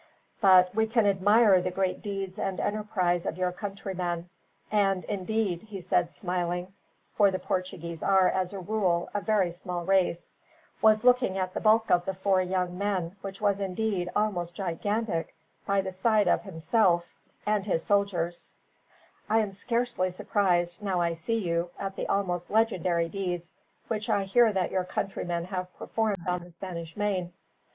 But we can admire the great deeds and enterprise of your countrymen; and indeed," he said smiling for the Portuguese are, as a rule, a very small race and looking at the bulk of the four young men, which was, indeed, almost gigantic by the side of himself and his soldiers, "I am scarcely surprised, now I see you, at the almost legendary deeds which I hear that your countrymen have performed on the Spanish main.